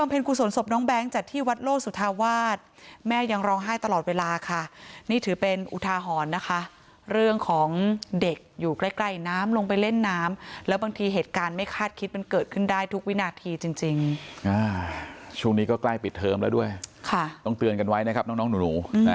แล้วหลังจากน้องแบงค์อายุก็เลยลงไปช่วยแล้วหลังจากน้องแบงค์อายุก็เลยลงไปช่วยแล้วหลังจากน้องแบงค์อายุก็เลยลงไปช่วยแล้วหลังจากน้องแบงค์อายุก็เลยลงไปช่วยแล้วหลังจากน้องแบงค์อายุก็เลยลงไปช่วยแล้วหลังจากน้องแบงค์อายุก็เลยลงไปช่วยแล้วหลังจากน้องแบงค์อายุก็เลยลงไปช่วยแล้วหลังจากน้